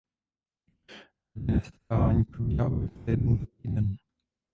Rodinné setkávání probíhá obvykle jednou za týden.